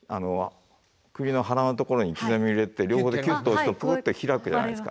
栗の腹のところに刻みを入れて両方でキュッと押すとプッと開くじゃないですか。